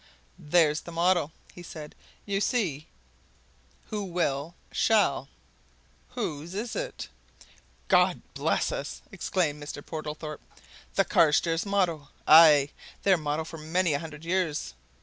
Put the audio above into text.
"There's the motto," he said. "You see Who Will, Shall. Whose is it?" "God bless us!" exclaimed Mr. Portlethorpe. "The Carstairs motto! Aye! their motto for many a hundred years!